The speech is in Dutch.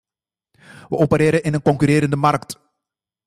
We opereren in een concurrerende markt.